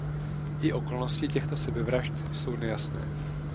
I okolnosti těchto sebevražd jsou nejasné.